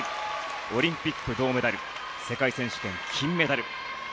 オリンピック、銅メダル世界選手権、金メダル。